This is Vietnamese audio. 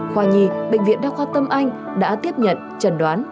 khoa nhi bệnh viện đa khoa tâm anh đã tiếp nhận trần đoán